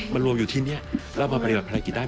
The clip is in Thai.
มันรวมอยู่ที่นี้แล้วมาปฏิบัติภารกิจได้